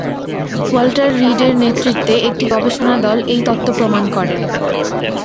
Walter রিডের নেতৃত্বে একটি গবেষণা দল এই তত্ত্ব প্রমাণ করে।